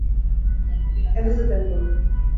Ez dizut entzun